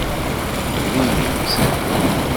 Diri-tt!